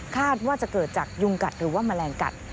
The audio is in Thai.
คาดว่าจะเกิดจากยุงกัดหรือว่าแมลงกัด